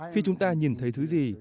khi chúng ta nhìn thấy thứ gì